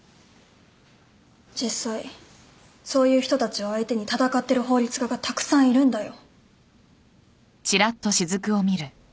実際そういう人たちを相手に戦ってる法律家がたくさんいるんだよ。